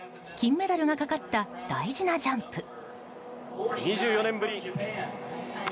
金メダルがかかった大事なジャンプ。